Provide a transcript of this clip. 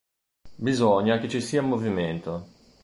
Bisogna che ci sia movimento.